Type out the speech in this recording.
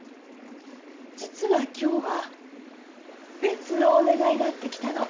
実は今日は別のお願いがあって来たの。